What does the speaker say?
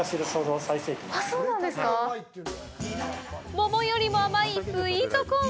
桃よりも甘いスイートコーン。